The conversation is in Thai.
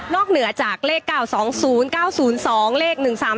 นอกเหนือจากเลข๙๒๐๙๐๒๑๓๓๑